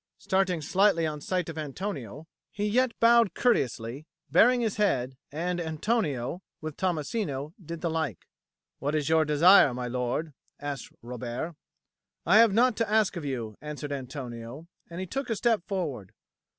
Starting slightly on sight of Antonio, he yet bowed courteously, baring his head, and Antonio, with Tommasino, did the like. "What is your desire, my lord?" asked Robert. "I have naught to ask of you," answered Antonio, and he took a step forward.